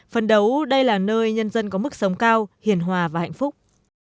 phần đấu đây là nơi nhân dân có mức sống cao hiền hòa và hạnh phúc